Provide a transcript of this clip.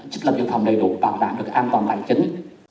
chức lập dân thòng đầy đủ bảo đảm được an toàn tài chính